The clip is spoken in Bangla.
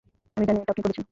আমি জানি এটা আপনি করেছেন।